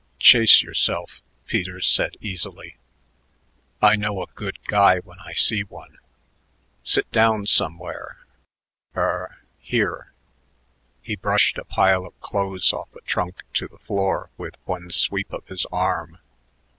"Chase yourself," Peters said easily. "I know a good guy when I see one. Sit down somewhere er, here." He brushed a pile of clothes off a trunk to the floor with one sweep of his arm.